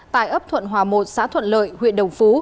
tại ấp thuận hòa một xã thuận lợi huyện đồng phú